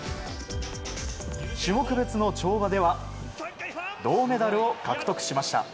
種目別の跳馬では銅メダルを獲得しました。